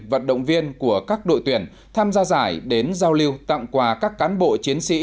vận động viên của các đội tuyển tham gia giải đến giao lưu tặng quà các cán bộ chiến sĩ